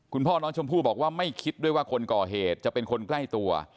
คุณพ่อน้องชมพู่บอกว่าไม่คิดด้วยว่าคนก่อเหตุจะเป็นคนใกล้ตัว